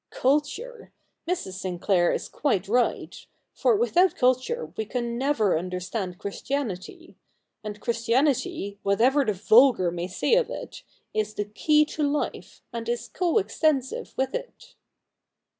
' Culture ! Mrs. Sinclair is quite right ; for without culture we can never understand Christianity, and Christianity, whatever the vulgar may say of it, is the key to life, and is co extensive with it.'